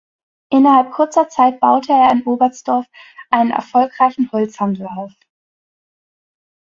Innerhalb kurzer Zeit baute er in Oberstdorf einen erfolgreichen Holzhandel auf.